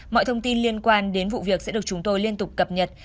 mọi thông tin liên quan đến vụ việc sẽ được chúng tôi liên tục cập nhật